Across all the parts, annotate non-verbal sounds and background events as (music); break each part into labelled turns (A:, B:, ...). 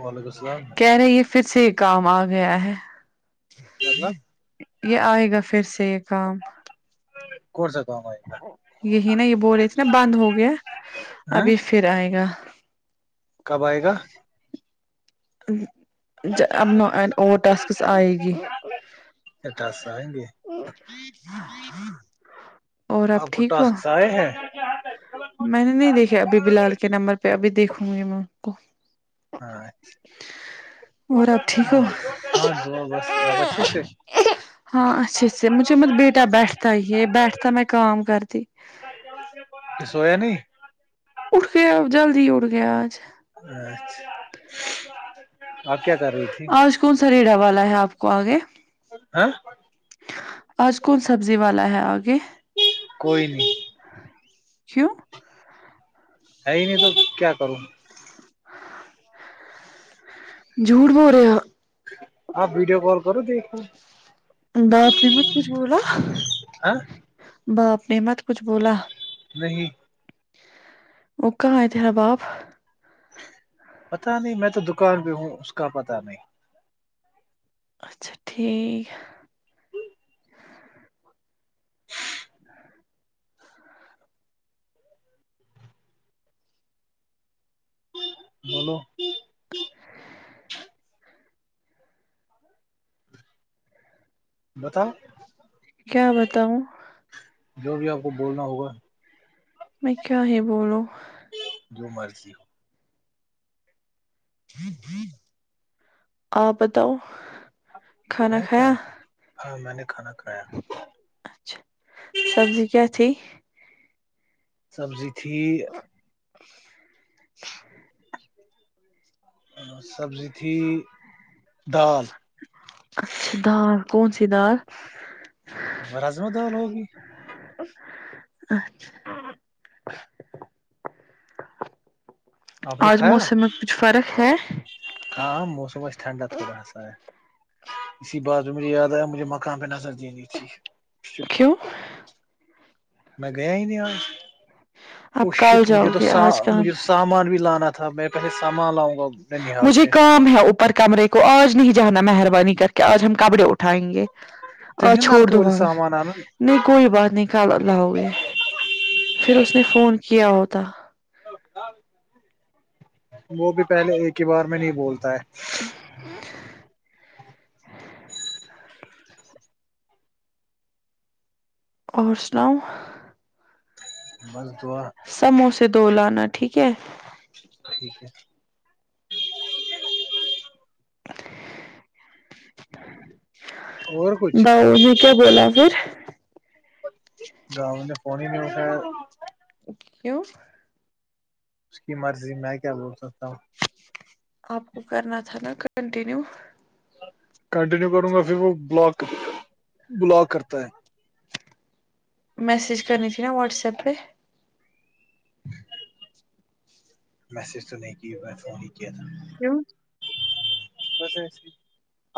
A: وعلیکم السلام
B: کہہ رہی ہے پھر سے یہ کام آ گیا ہے
A: مطلب
B: یہ آئے گا پھر سے یہ کام
A: (inaudible) کون سا کام ایا
B: یہی نا یہ بول رہی تھی نا بند ہو گیا
A: گا
B: ابھی پھر آئے گا
A: کب آئے گا
B: اب نہ اور ٹاسکس آئے گی
A: کیا ٹاسک آئیگی
B: اور
A: آپ کو
B: ٹھیک ہو
A: ٹاسکس آئے ہیں
B: میں نے نہیں دیکھا ابھی بلال کے نمبر پہ ابھی دیکھوں گی میں ان کو اور آپ ٹھیک ہو
A: (inaudible) اچھے سے
B: ہاں اچھے سے مجھے م بیٹا بیٹھتا ہی بیٹھتا میں کام کرتی
A: سویا نہیں
B: اٹھ گیا جلدی اٹھ گیا آج
A: (inaudible) آپ کیا کر رہے
B: آج کون سا ریڑا والا ہے آپ کو آگے
A: ہاں
B: آج کون سبزی والا ہے آگے
A: کوئی نہیں
B: کیوں
A: ہے ہی نہیں تو کیا کروں
B: جھوٹ بول رہے ہاں
A: آپ ویڈیو کال کرو دیکھو
B: باپ نے مچھ کچھ بولا
A: ہاں
B: باپ نے مت کچھ بولا
A: نہیں
B: او کہا ہے تیرا باپ
A: پتا نہیں میں تو دکان پہ ہوں اس کا پتا نہیں
B: اچھا ٹھیک
A: بولو بتاؤ
B: کیا بتاؤ
A: جو بھی آپ کو بولنا ہوگا
B: میں کیا ہی بولو
A: جو مرضی ہو
B: آپ بتاؤ کھانا
A: میں کیا
B: کھایا
A: ہاں میں نے کھانا کھایا
B: اچھا سبزی کیا تھی
A: سبزی تھی
B: (inaudible)
A: سبزی تھی دال
B: اچھا دال کون سی دال
A: راجما دال ہوگی
B: اچھا
A: آپ نے
B: آج
A: کھایا
B: موسم میں کچھ فرق ہے
A: ہاں موسم ٹھنڈا تھوڑا سا ہے اسی بات مجھے یاد آ مجھے مکان پے نظر دینی تھی
B: کیوں
A: میں گیا ہی نہیں آج او
B: آپ
A: شٹ
B: کل
A: مجھے
B: جاؤ
A: تو
B: گے آج کام
A: مجھے سامان بھی لانا تھا میں پہلے سامان لاؤں اب ننحال سے
B: مجھے کام ہے اوپر کمرے کو آج نہیں جانا مہربانی کر کے آج ہم کپڑے اٹھائیں گے آج
A: تمہیں
B: چھوڑ
A: نلکے
B: دو
A: والے
B: وہاں
A: سامان آنا
B: نہیں کوئی بات نہیں کال لاؤ گے پھر اس نے فون کیا ہوتا
A: وہ بھی پہلے ایک ہی بار میں نہیں بولتا ہے
B: اور سناؤ
A: بس دعا
B: سموسے دو لانا ٹھیک ہے
A: ٹھیک ہے اور کچھ
B: داؤ نے کیا بولا پھر
A: گاؤ نے فون ہی نہیں اتا ہے
B: کیوں
A: اس کی مرضی میں کیا بول سکتا ہوں
B: آپ کو کرنا تھا نا کنٹنییو
A: کنٹینیو کروں گا پھر وہ بلاک بلاک کرتا ہے
B: میسیج کرنی تھی نا واٹس ایپ پے
A: میسج تو نہیں کیا ہوا ہے فون ہی کیا تھا
B: کیوں
A: بس ایسے ہی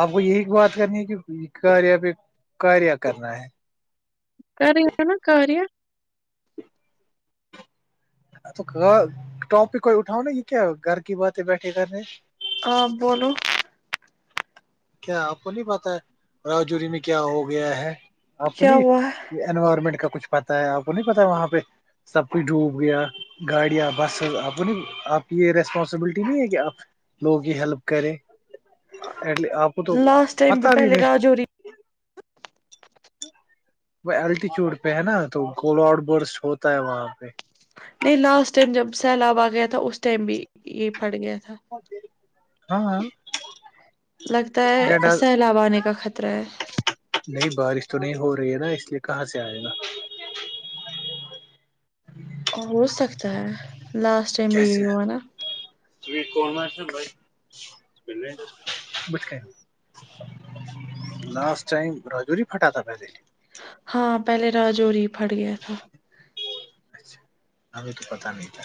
A: آپ کو یہی بات کرنی ہے کی کاریہ پے کاریہ کرنا ہے
B: کاریہ ہیں نا کاریہ
A: تو ٹاپک کوئی اٹھاؤ نا یے کیا گھر کی باتیں بیٹھے کرنے
B: آپ بولو
A: کیا آپ کو نہیں پتہ ہے راجور میں کیا ہو گیا ہے
B: کیا
A: اپنی
B: ہوا
A: انوائرمنٹ کا کچھ پتا ہے آپ کو نہیں پتا وہاں پے سب کھ ڈوب گیا گاڑیاں بسز آپ آپ کی یے ریسپانسبلٹی نہیں ہے کی آپ لوگ کی ہیلپ کرے ا آپ کو تو
B: ہے لاسٹ ٹائم
A: پتہ بھی
B: پہلے
A: نہیں
B: راجوری
A: وہ الٹیٹیوڈ پے ہے نا تو گول آڈ برس ہوتا ہے وہاں پے
B: نہیں لاسٹ ٹائم جب سیلاب آ گیا تھا اس ٹائم بھی یے پٹ گیا تھا
A: ہاں
B: لگتا ہے
A: ڈڈا
B: سیلاب آنے کا خط طرہ ہے
A: نہیں بارش تو نہیں ہو رہی ہے نا اس لیے کہاں سے آئے گا
B: ہو سکتا ہے لاسٹ ٹائم بھی
A: کیسے
B: یہی ہوا نا
A: بھائی (unintelligible) لاسٹ ٹائم راجو ہی پھٹا تھا پہلے
B: ہاں پہلے راجو ری پھٹ گیا تھا
A: اچھا ابھی تو پتہ نہیں تھا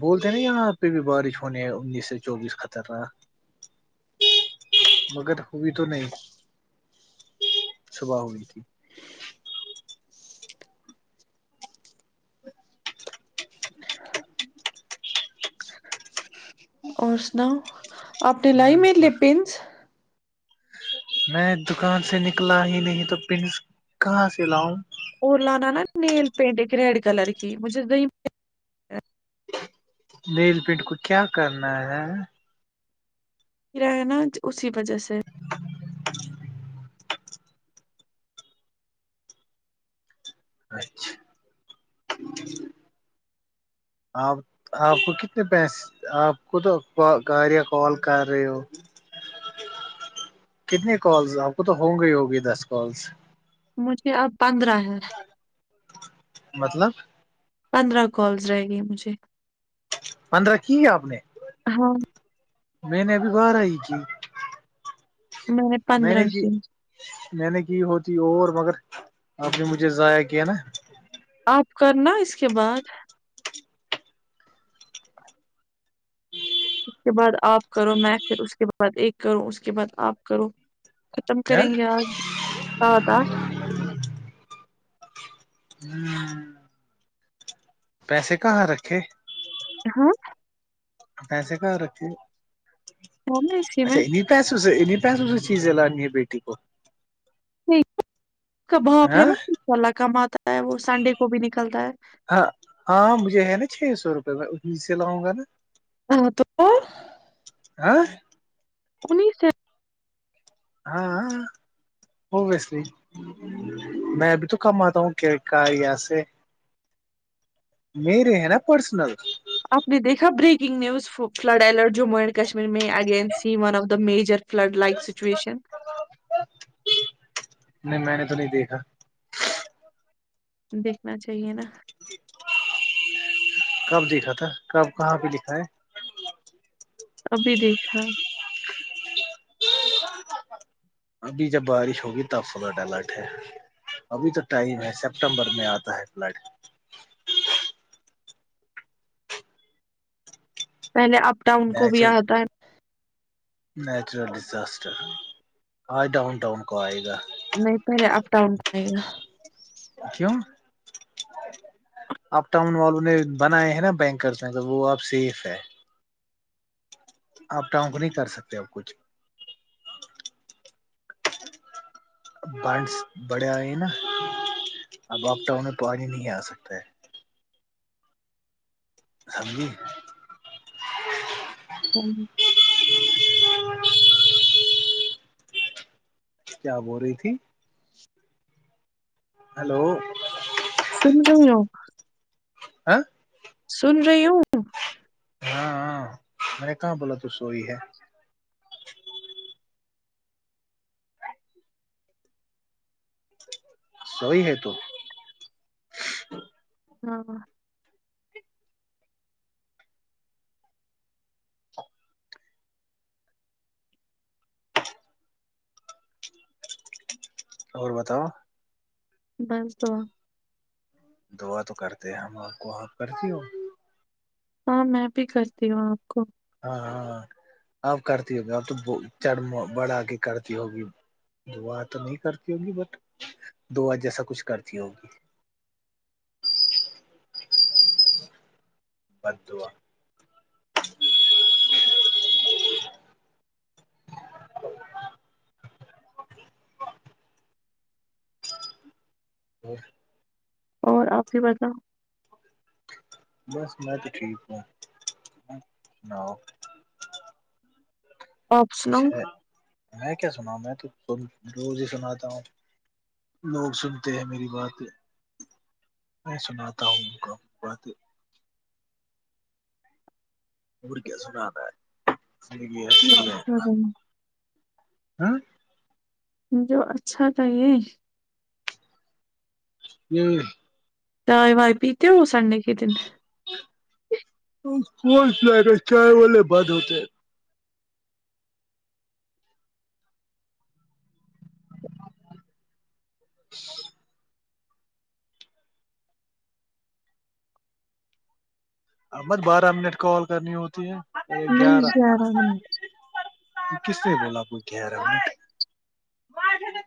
A: بولتے ہیں نا یہاں پہ بھی بارش ہونے ہے انیس سے چوبیس خطر ناک مگر ہوئی تو نہیں صبح ہوئی تھی
B: اور سناؤ آپ نے لائی میرے لئے پنس
A: میں دکان سے نکلا ہی نہیں تو پنس کہاں سے لاؤں
B: اور لانا نا نیل پینٹ ایک ریڈ کلر کی مجھے دو
A: نیل پینٹ کو کیا کرنا ہے
B: لے آنا اسی وجہ سے
A: اچھا آپ آپ کو کتنے پیسے آپ کو تو گااریا کال کر رہے ہو کتنے کالز آپ کو تو ہو گئی ہو ہوگی دس کالس
B: مجھے اب پندرہ ہے
A: مطلب
B: پندرہ کالز رہے گی مجھے
A: پندرہ کی آپ نے
B: ہاں
A: میں نے ابھی بارہ ہی کی میں نے کی میں نے کہ ہوتی اور مگر اپ نے مجھے ضائع کیا نا
B: آپ کرنا اس کے بعد اس کے بعد آپ کرو میں پھر اس کے بعد ایک کروں اس کے بعد آپ کرو ختم
A: نا
B: کریں گے آ (unintelligible) آدا
A: ہوں پیسے کہاں رکھے
B: ہاں
A: پیسے کہاں رکھے
B: ہاں نا اسی میں
A: اچھا پیسوں سے انہی پیسوں سے چیزیں لانی ہے بیٹی کو
B: نہیں کا باپ ہے
A: ہاں
B: نا ان شاء اللہ کم آتا ہے وہ سنڈے کو بھی نکلتا ہے (unintelligible)
A: ہاں ہاں مجھے ہے نا چھ سو روپے میں اس سےسی لاؤں گا نا
B: ہاں تو (unintelligible)
A: آہ
B: انہی سے
A: ہاں ہویسلی (unintelligible) میں اب تو کم آتا ہوں کا یہاں سے (unintelligible) میرے ہے نا پرسنل
B: آپ نے دیکھا breaking news flood alert Jammu and Kashmir میں again see one of the major flood like situation
A: نہیں میں نے تو نہیں دیکھا
B: دیکھنا چاہیے نا
A: کب دیکھا تھا کب کہاں پہ لکھا ہے
B: ابھی دیکھا
A: ابھی جب بارش ہوگی تب فلٹ الٹ ہے ابھی تو ٹائم ہے سپٹمبر میں آتا ہے فلڈ
B: پہلے اپ ڈاؤن کو بھی
A: نیچر
B: آتا ہے
A: نیچرل ڈیزاسٹر ہاں ڈاؤن ٹاؤن کو آئے گا
B: نہیں پہلے اپ ڈاؤن جائے گا
A: کیوں آپ ٹاؤن والوں نے بنائے ہیں نا بینکرس میں تو وہ آپ سیف ہے آپ ٹاؤن کو نہیں کر سکتے اب کچھ بانڈس بڑھے آئے ہیں نا اب آپ ٹاؤن میں پہلے نہی نہیں آ سکتا ہے سمی
B: ہاں ہاں
A: کیا بول رہی تھی ہلو
B: سمجھیں
A: ہاں
B: سن رہی ہوں
A: ہاں ہاں میں نے کہاں بولا تو سوئی ہے سوئی ہے تو
B: ہاں
A: اور بتاؤ
B: بس دعا
A: دعا تو کرتے ہم آپ کو آپ کرتی ہو
B: ہاں میں بھی کرتی ہوں آپ کو
A: ہاں ہاں آپ کرتی ہوگی آپ تو چڑ بڑا کے کرتی ہوگی دعا تو نہیں کرتی ہوگی بٹ دعا جیسا کچھ کرتی ہوگی بد دعا اور
B: اور آپ ہی بتاؤ
A: بس میں تو ٹھیک ہوں آپ سناؤ
B: آپ
A: اچھے
B: سناؤ
A: ہیں میں کیا سناؤں میں تو روز ہی سناتا ہوں لوگ سنتے ہیں میری بات میں سناتا ہوں ان کا باتیں اور کیا سنانا
B: جو اچھا رہے
A: ہے (inaudible)
B: جو اچھا تھا یہ
A: یہ
B: چائے وائے پیتے ہو سنڈے کے دن
A: فس جائے گا چائے والے بد ہوتے ہیں احمد بارہ منٹ کال کرنی ہوتی ہے
B: نہیں
A: گیارہ
B: منٹ
A: کس نے بولا کوئی کہہ رہا ہوں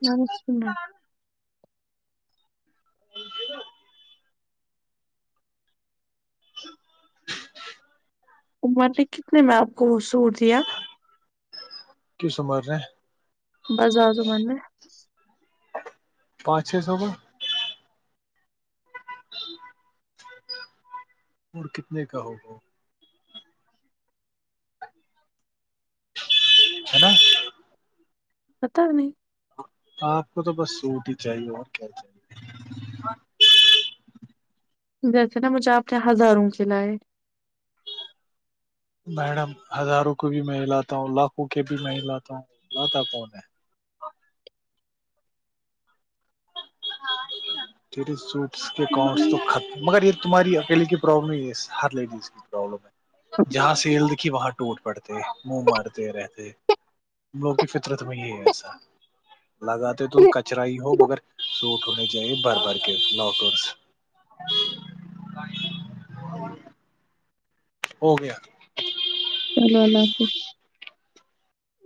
B: نمس (unintelligible) عمر نے کتنے میں آپ کو وہ سوٹ دیا
A: کیوں سمج رہے ہیں
B: بازار زمان میں
A: پانچ چھ سو میں اور کتنے کا ہوگا ہے نا
B: پتا نہیں
A: آپ کو تو بس سوٹ ہی چاہیے اور کیا چاہیے
B: جیسے نا مجھے آپ نے ہزاروں کے لائے
A: میڈم ہزاروں کے بھی میں لاتا ہوں لاکھوں کے بھی میں لاتا ہوں لاتا کون ہے ت سوٹ کے اکؤنٹ تو
B: چلو
A: ختم مگر یہ تمہاری اکلے کی پرابلم نہیں ہے ہر لیڈیز لم جہاں سیل دکھی وہاں ٹوٹ پڑتے منہ مارتے رہتے ہم لوگ کی فطرت میں ہی ہے ایسا لگاتے تو کچرا ہی ہو مگر سوٹ ہونے چاہیے بھر بھر کے لاکرس ہو گیا
B: چلو اللہ حافظ